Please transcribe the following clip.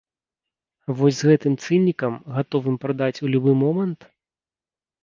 Вось з гэтым цынікам, гатовым прадаць у любы момант?